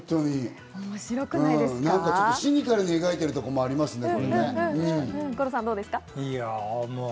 シニカルに描いてるところもありますね。